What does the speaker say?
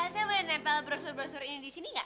saya boleh nepel brosur brosur ini di sini nggak